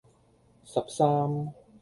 十三